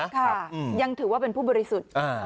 ค่ะยังถือว่าเป็นผู้บริสุทธิ์